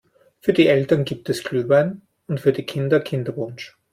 Für die Eltern gibt es Glühwein und für die Kinder Kinderpunsch.